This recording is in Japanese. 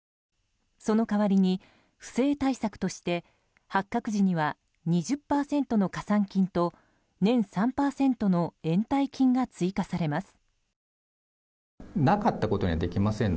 その代わりに不正対策として発覚時には２０％の加算金と年３％の延滞金が追加されます。